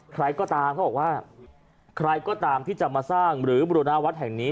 ใครก็ตามเขาบอกว่าใครก็ตามที่จะมาสร้างหรือบุรณาวัดแห่งนี้